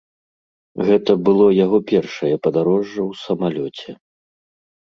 Гэта было яго першае падарожжа ў самалёце.